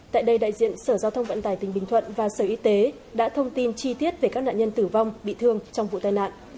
tại đây đại diện sở giao thông vận tải tỉnh bình thuận và sở y tế đã thông tin chi tiết về các nạn nhân tử vong bị thương trong vụ tai nạn